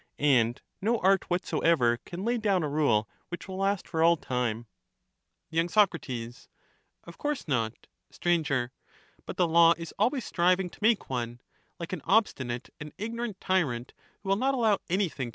And no art whatsoever ^^^*« can lay down a rule which will last for all time. of human y. Soc, Of course not. aa»« can Str, But the law is always striving to make one ;— like an ^y i^i^. obstinate and ignorant tyrant, who will not allow anything to lation.